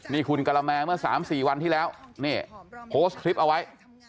นี่คุณกะละแมเมื่อ๓๔วันที่แล้วนี่โพสต์คลิปเอาไว้